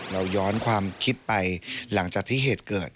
เราย้อนความคิดไปหลังจากที่เหตุเกิด